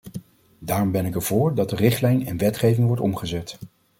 Daarom ben ik er voor dat de richtlijn in wetgeving wordt omgezet.